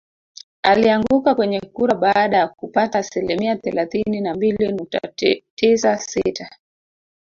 Alianguka kwenye kura baada ya kupata asilimia thelathini na mbili nukta tisa sita